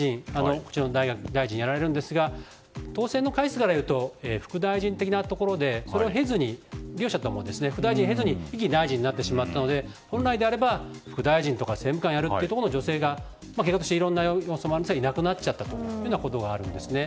こちらの大臣をやるんですが当選の回数からいうと副大臣的なところでそれを経ずに、両者とも副大臣を経ずに一気に大臣になったので本来であれば副大臣と政務官やるところの女性がやるというので結果としていろんな要素もあっていなくなってしまったということがあるんですね。